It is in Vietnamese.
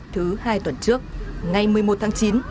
thứ hai tuần trước ngày một mươi một tháng chín